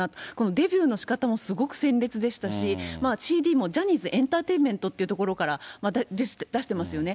デビューのしかたもすごい鮮烈でしたし、ＣＤもジャニーズエンターテインメントというところから出してますよね。